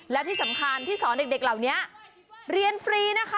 และที่สำคัญที่สอนเด็กเหล่านี้เรียนฟรีนะคะ